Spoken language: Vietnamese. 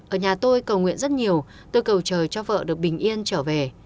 ở nhà tôi cầu nguyện rất nhiều tôi cầu trời cho vợ được bình yên trở về